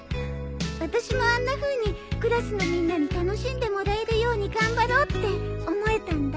私もあんなふうにクラスのみんなに楽しんでもらえるように頑張ろうって思えたんだ。